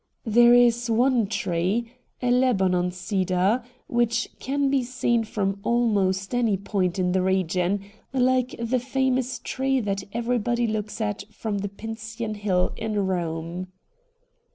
There is one tree — a Lebanon cedar — which can be seen from almost any point in the region, like the famous tree that everybody looks at from the Pincian Hill in Eome.